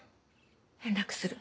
連絡する。